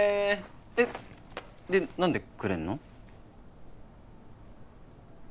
えっでなんでくれるの？